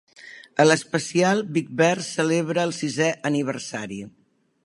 A l'especial, Big Bird celebra el sisè aniversari.